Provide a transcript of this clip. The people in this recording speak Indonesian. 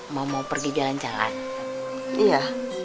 sampai jumpa di video selanjutnya